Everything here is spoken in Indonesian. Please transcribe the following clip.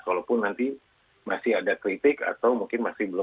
kalaupun nanti masih ada kritik atau mungkin masih belum